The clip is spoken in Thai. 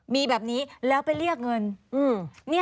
มีแบบนี้แล้วไปเรียกเงิน